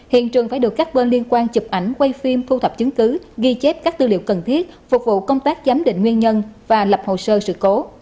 hiện trường phải được các bên liên quan chụp ảnh quay phim thu thập chứng cứ ghi chép các tư liệu cần thiết phục vụ công tác giám định nguyên nhân và lập hồ sơ sự cố